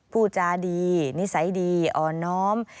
ผู้จารย์ดีนิสัยดีอ่อนอ้อม